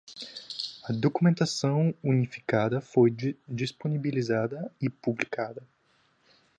A documentação unificada foi disponibilizada e publicada